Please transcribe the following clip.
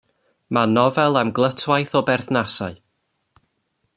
Mae'n nofel am glytwaith o berthnasau.